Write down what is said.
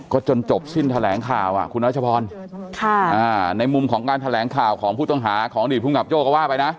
ก็จนจบสิ้นแถลงข่าวคุณรัชพรในมุมของการแถลงข่าวของผู้ต้องหาของอดีตภูมิกับโจ้ก็ว่าไปนะ